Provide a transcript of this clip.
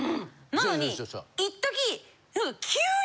なのにいっとき。